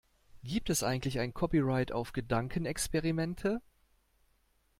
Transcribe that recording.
Gibt es eigentlich ein Copyright auf Gedankenexperimente?